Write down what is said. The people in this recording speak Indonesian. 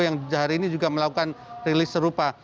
yang hari ini juga melakukan rilis serupa